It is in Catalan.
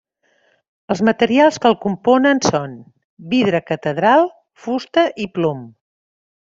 Els materials que el componen són: vidre catedral, fusta i plom.